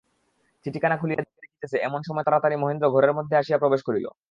চিঠিখানা খুলিয়া দেখিতেছে, এমন সময় তাড়াতাড়ি মহেন্দ্র ঘরের মধ্যে আসিয়া প্রবেশ করিল।